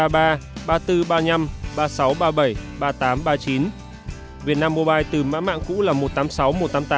việt nam mobile từ mã mạng cũ là một trăm tám mươi sáu một trăm tám mươi tám